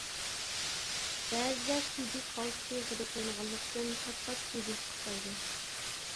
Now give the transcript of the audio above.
بەزىدە سۈيدۈك خالتىسى غىدىقلانغانلىقتىن پات-پات سۈيدۈك قىستايدۇ.